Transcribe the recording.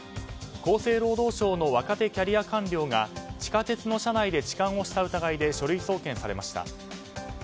厚生労働省の若手キャリア官僚が地下鉄の車内で痴漢をした疑いで書類送検されました。